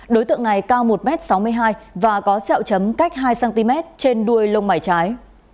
đối tượng này cao một m sáu mươi hai và có sẹo chấm cách hai cm trên đuôi lông mảy trái